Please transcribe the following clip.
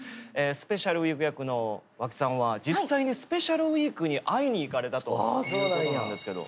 スペシャルウィーク役の和氣さんは実際にスペシャルウィークに会いに行かれたということなんですけど。